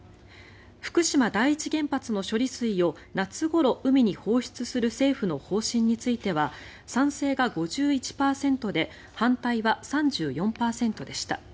福島第一原発の処理水を夏ごろ海に放出する政府の方針については賛成が５１％で反対は３４％でした。